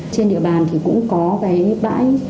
trên địa bàn thì cũng có cái bãi